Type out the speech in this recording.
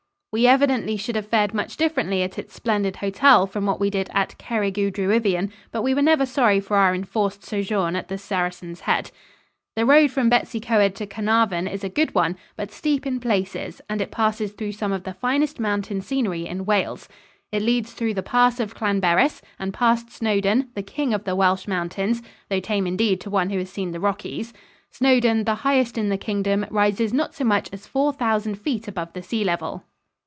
We evidently should have fared much differently at its splendid hotel from what we did at Cerrig y Druidion, but we were never sorry for our enforced sojourn at the Saracen's Head. The road from Bettws y Coed to Carnarvon is a good one, but steep in places, and it passes through some of the finest mountain scenery in Wales. It leads through the Pass of Llanberis and past Snowdon, the king of the Welsh mountains though tame indeed to one who has seen the Rockies. Snowdon, the highest in the Kingdom, rises not so much as four thousand feet above the sea level.